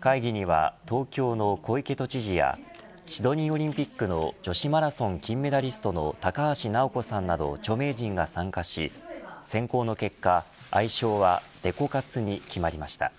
会議には、東京の小池都知事やシドニーオリンピックの女子マラソン金メダリストの高橋尚子さんなど著名人が参加し選考の結果、愛称はデコ活に決まりました。